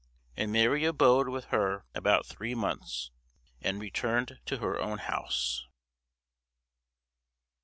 And Mary abode with her about three months, and returned to her own house.